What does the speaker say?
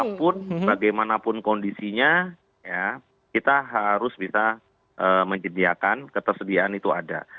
apapun bagaimanapun kondisinya kita harus bisa menyediakan ketersediaan itu ada